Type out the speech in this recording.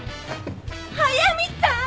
速見さん！